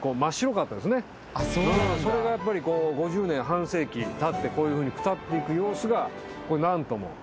それがやっぱり５０年半世紀たってこういうふうにくたっていく様子が何とも。